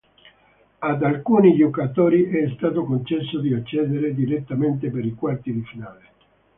Ad alcuni giocatori è stato concesso di accedere direttamente per i quarti di finale.